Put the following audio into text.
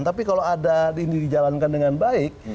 tapi kalau ada ini dijalankan dengan baik